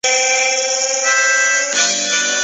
绿沙地锦鸡儿为豆科锦鸡儿属下的一个变种。